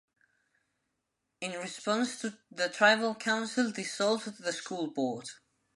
In response the tribal council dissolved the school board.